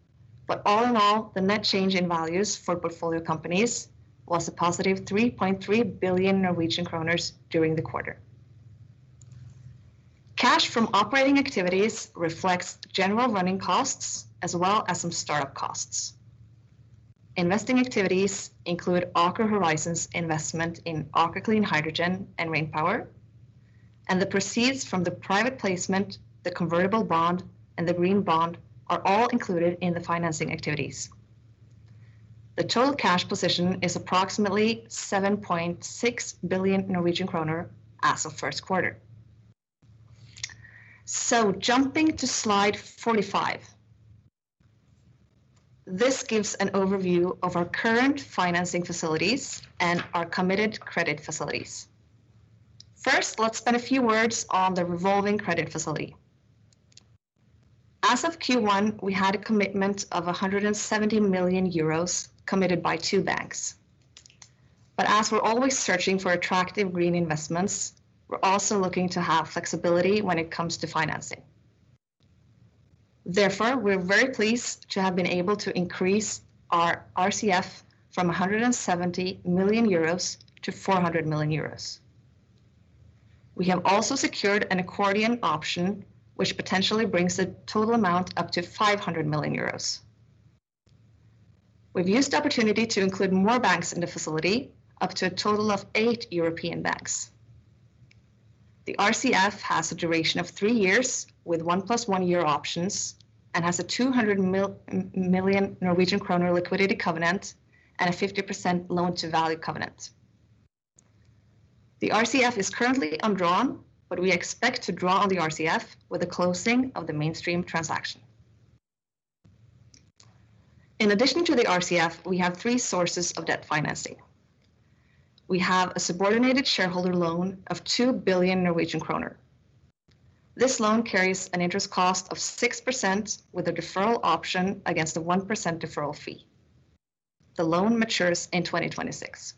but all in all, the net change in values for portfolio companies was a positive 3.3 billion Norwegian kroner during the quarter. Cash from operating activities reflects general running costs as well as some startup costs. Investing activities include Aker Horizons' investment in Aker Clean Hydrogen and Rainpower, and the proceeds from the private placement, the convertible bond, and the green bond are all included in the financing activities. The total cash position is approximately 7.6 billion Norwegian kroner as of the first quarter. Jumping to slide 45. This gives an overview of our current financing facilities and our committed credit facilities. First, let's spend a few words on the revolving credit facility. As of Q1, we had a commitment of 170 million euros committed by two banks. As we're always searching for attractive green investments, we're also looking to have flexibility when it comes to financing. Therefore, we're very pleased to have been able to increase our RCF from 170 million-400 million euros. We have also secured an accordion option, which potentially brings the total amount up to 500 million euros. We've used the opportunity to include more banks in the facility, up to a total of eight European banks. The RCF has a duration of three years with one plus one-year options and has a 200 million Norwegian kroner liquidity covenant and a 50% loan-to-value covenant. The RCF is currently undrawn, but we expect to draw on the RCF with the closing of the Mainstream transaction. In addition to the RCF, we have three sources of debt financing. We have a subordinated shareholder loan of 2 billion Norwegian kroner. This loan carries an interest cost of 6% with a deferral option against a 1% deferral fee. The loan matures in 2026.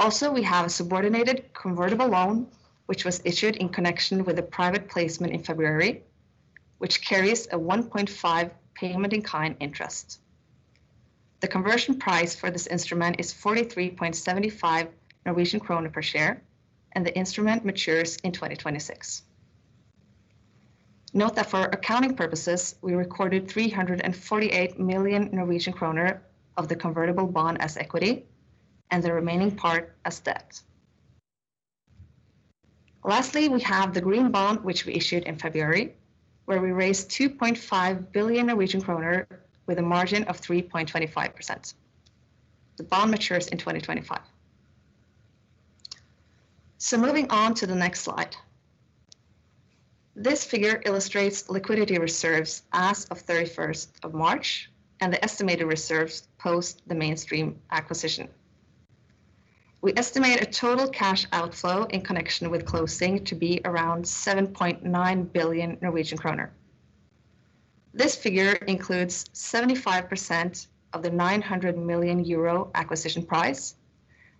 Also, we have a subordinated convertible loan, which was issued in connection with a private placement in February, which carries a 1.5 payment in kind interest. The conversion price for this instrument is 43.75 Norwegian krone per share, and the instrument matures in 2026. Note that for accounting purposes, we recorded 348 million Norwegian kroner of the convertible bond as equity and the remaining part as debt. Lastly, we have the green bond, which we issued in February, where we raised 2.5 billion Norwegian kroner with a margin of 3.25%. The bond matures in 2025. Moving on to the next slide. This figure illustrates liquidity reserves as of the 31st of March and the estimated reserves post the Mainstream acquisition. We estimate a total cash outflow in connection with closing to be around 7.9 billion Norwegian kroner. This figure includes 75% of the 900 million euro acquisition price,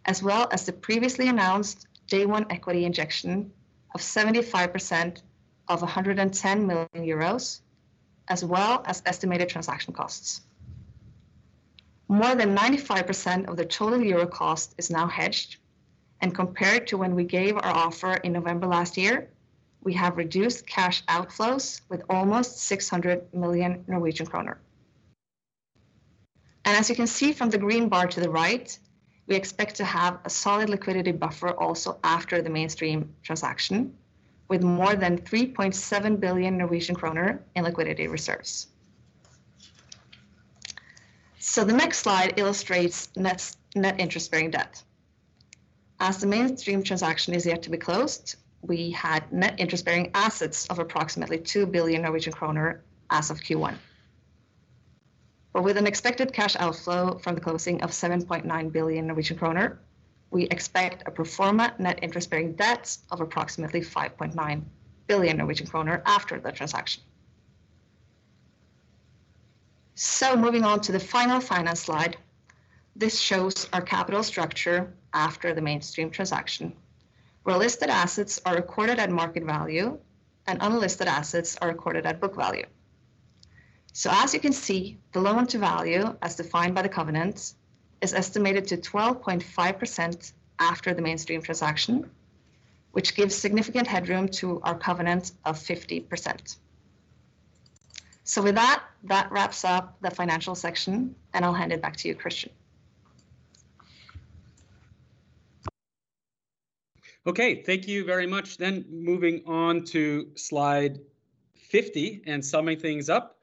as well as the previously announced day one equity injection of 75% of 110 million euros, as well as estimated transaction costs. More than 95% of the total euro cost is now hedged, compared to when we gave our offer in November last year, we have reduced cash outflows by almost 600 million Norwegian kroner. As you can see from the green bar to the right, we expect to have a solid liquidity buffer also after the Mainstream transaction, with more than 3.7 billion Norwegian kroner in liquidity reserves. The next slide illustrates net interest-bearing debt. As the Mainstream transaction is yet to be closed, we had net interest-bearing assets of approximately 2 billion Norwegian kroner as of Q1. With an expected cash outflow from the closing of 7.9 billion Norwegian kroner, we expect a pro forma net interest-bearing debt of approximately 5.9 billion Norwegian kroner after the transaction. Moving on to the final finance slide. This shows our capital structure after the Mainstream transaction, where listed assets are recorded at market value and unlisted assets are recorded at book value. As you can see, the loan-to-value, as defined by the covenants, is estimated to be 12.5% after the Mainstream transaction, which gives significant headroom to our covenant of 50%. With that, the financial section wraps up, and I'll hand it back to you, Kristian. Okay, thank you very much. Moving on to slide 50 and summing things up.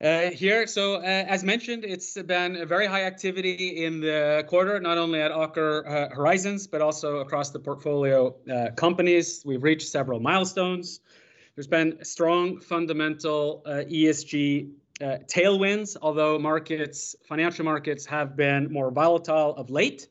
Here, as mentioned, it's been very high activity in the quarter, not only at Aker Horizons but also across the portfolio companies. We've reached several milestones. There's been strong fundamental ESG tailwinds, although financial markets have been more volatile of late,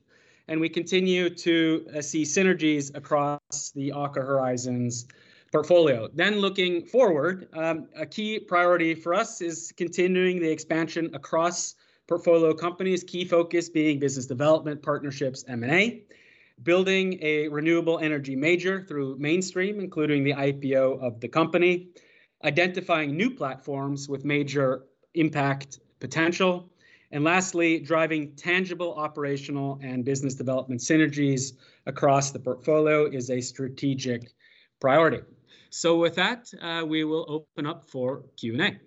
and we continue to see synergies across the Aker Horizons portfolio. Looking forward, a key priority for us is continuing the expansion across portfolio companies, with a key focus being business development, partnerships, M&A, building a renewable energy major through Mainstream, including the IPO of the company, identifying new platforms with major impact potential, and lastly, driving tangible operational and business development synergies across the portfolio is a strategic priority. With that, we will open up for Q&A.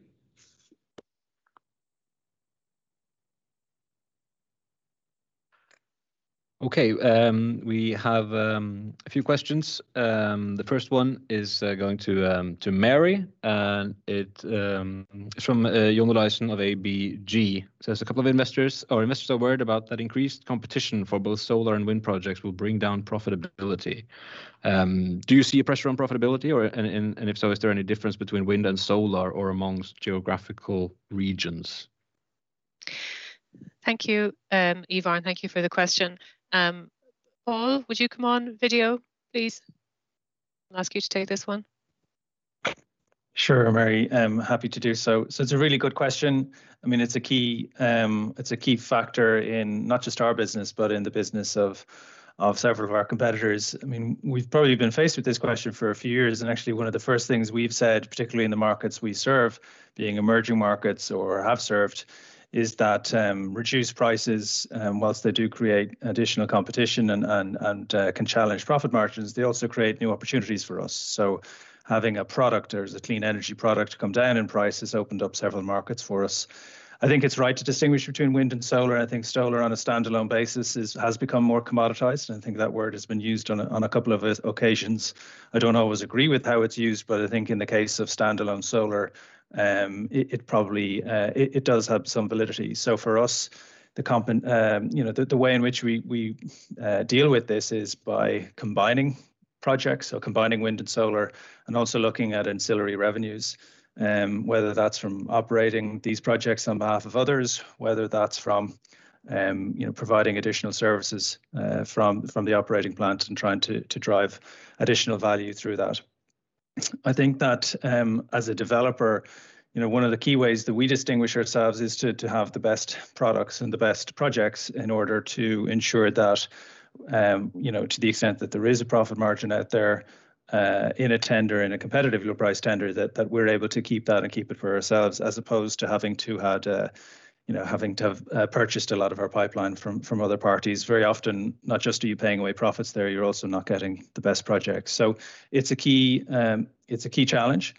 Okay. We have a few questions. The first one is going to Mary, and it's from Jon Olav Langseth of ABG. Says a couple of investors, or investors are worried that increased competition for both solar and wind projects will bring down profitability. Do you see a pressure on profitability, and if so, is there any difference between wind and solar or amongst geographical regions? Thank you, Ivar, and thank you for the question. Paul, would you come on video, please? I'll ask you to take this one. Sure, Mary. I'm happy to do so. It's a really good question. It's a key factor in not just our business but in the businesses of several of our competitors. We've probably been faced with this question for a few years; actually, one of the first things we've said, particularly in the markets we serve, being emerging markets, or having served, is that reduced prices, while they do create additional competition and can challenge profit margins, also create new opportunities for us. Having a product or a clean energy product come down in price has opened up several markets for us. I think it's right to distinguish between wind and solar. I think solar on a standalone basis has become more commoditized, I think that word has been used on a couple of occasions. I don't always agree with how it's used. I think in the case of standalone solar, it probably does have some validity. For us, the way in which we deal with this is by combining projects or combining wind and solar and also looking at ancillary revenues, whether that's from operating these projects on behalf of others or from providing additional services from the operating plant and trying to drive additional value through that. I think that, as a developer, one of the key ways that we distinguish ourselves is to have the best products and the best projects in order to ensure that, to the extent that there is a profit margin out there in a competitive low-price tender, we're able to keep that and keep it for ourselves as opposed to having to have purchased a lot of our pipeline from other parties. Very often, not only are you paying away profits there, but you're also not getting the best projects. It's a key challenge,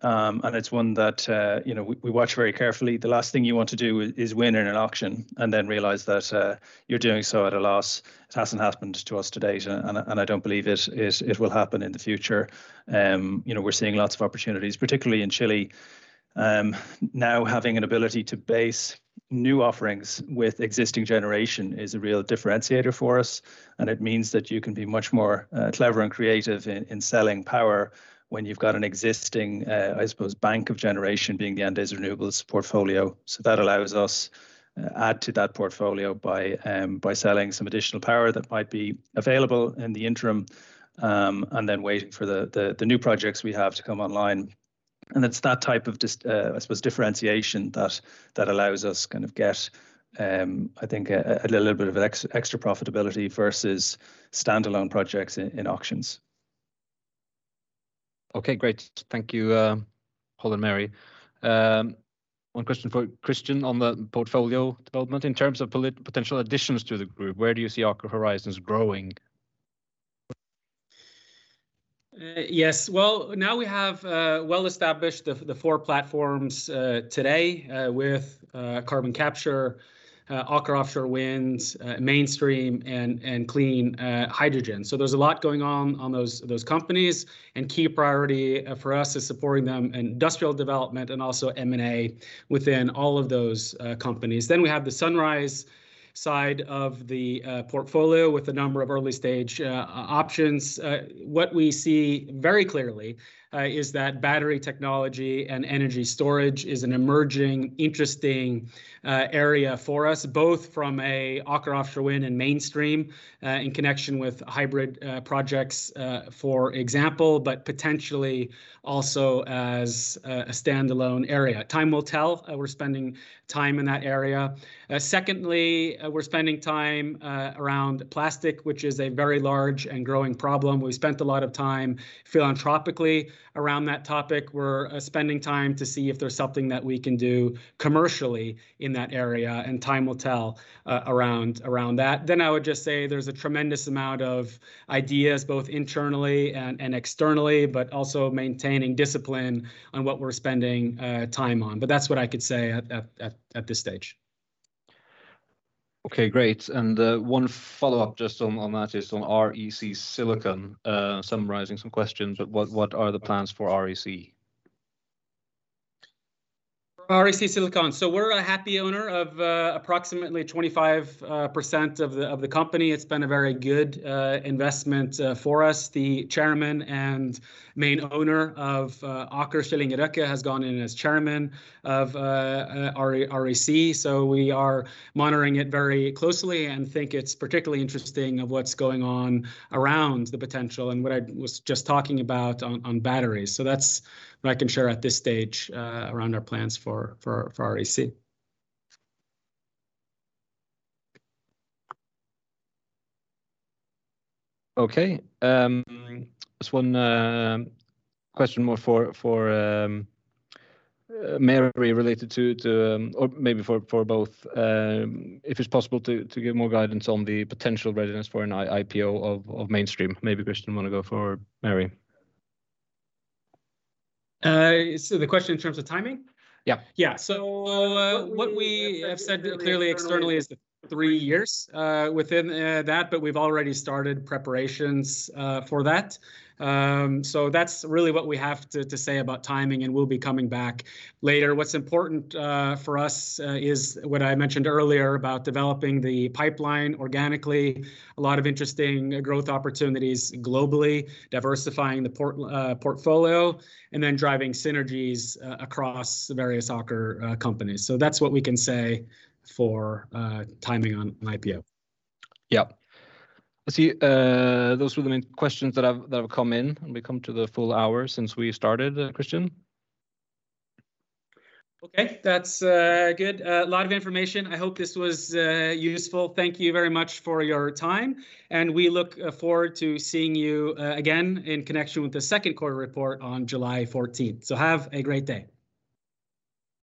and it's one that we watch very carefully. The last thing you want to do is win in an auction and then realize that you're doing so at a loss. It hasn't happened to us to date, and I don't believe it will happen in the future. We're seeing lots of opportunities, particularly in Chile. Having an ability to base new offerings on existing generation is a real differentiator for us, and it means that you can be much more clever and creative in selling power when you've got an existing, I suppose, bank of generation, being the Andes Renovables portfolio. That allows us to add to that portfolio by selling some additional power that might be available in the interim and then waiting for the new projects we have to come online. It's that type of, I suppose, differentiation that allows us to get, I think, a little bit of extra profitability versus standalone projects in auctions. Okay, great. Thank you, Paul and Mary. One question for Kristian on the portfolio development. In terms of potential additions to the group, where do you see Aker Horizons growing? Yes. Well, now we have well-established the four platforms today, with Carbon Capture, Aker Offshore Wind, Mainstream, and Clean Hydrogen. There's a lot going on with those companies, and a key priority for us is supporting them in industrial development and also M&A within all of those companies. We have the Sunrise side of the portfolio with a number of early-stage options. What we see very clearly is that battery technology and energy storage are emerging, interesting areas for us, both from Aker Offshore Wind and Mainstream in connection with hybrid projects, for example, but potentially also as a standalone area. Time will tell. We're spending time in that area. Secondly, we're spending time around plastic, which is a very large and growing problem. We spent a lot of time philanthropically around that topic. We're spending time to see if there's something that we can do commercially in that area. Time will tell around that. I would just say there's a tremendous amount of ideas, both internally and externally, but also maintaining discipline on what we're spending time on. That's what I could say at this stage. Okay, great. One follow-up just on that is on REC Silicon, summarizing some questions. What are the plans for REC? REC Silicon. We're happy owners of approximately 25% of the company. It's been a very good investment for us. The Chairman and main owner of Aker, Kjell Inge Røkke, has gone in as Chairman of REC. We are monitoring it very closely and think it's particularly interesting what's going on around the potential and what I was just talking about on batteries. That's what I can share at this stage around our plans for REC. Okay. Just one question more for Mary, or maybe for both. If it is possible, give more guidance on the potential readiness for an IPO of Mainstream? Maybe Kristian wants to go before Mary. The question in terms of timing? Yeah. Yeah. What we have said clearly externally is three years within that, but we've already started preparations for that. That's really what we have to say about timing, and we'll be coming back later. What's important for us is what I mentioned earlier about developing the pipeline organically. A lot of interesting growth opportunities globally, diversifying the portfolio, and then driving synergies across the various Aker companies. That's what we can say for timing on an IPO. Yeah. I see those were the main questions that have come in, and we've come to the full hour since we started, Kristian. Okay. That's good. A lot of information. I hope this was useful. Thank you very much for your time, and we look forward to seeing you again in connection with the second quarter report on July 14th. Have a great day.